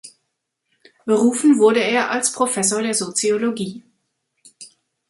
Berufen wurde er als Professor der Soziologie.